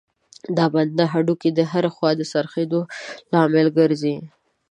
دا بند د هډوکو د هرې خوا د څرخېدلو لامل ګرځي.